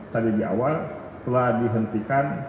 tadi di awal telah dihentikan